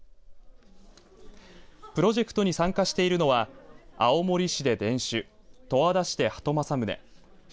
プロジェクトに参加しているのは青森市で田酒十和田市で鳩正宗弘